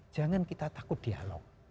jangan kita takut dialog